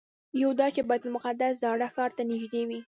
یو دا چې بیت المقدس زاړه ښار ته نږدې وي.